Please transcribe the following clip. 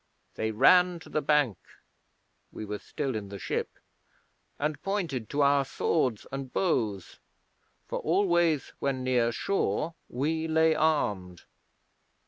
They ran to the bank we were still in the ship and pointed to our swords and bows, for always when near shore we lay armed.